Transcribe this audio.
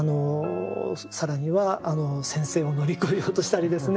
更には先生を乗り越えようとしたりですね